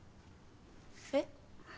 えっ？